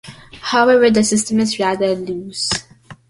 However, the system is rather loose.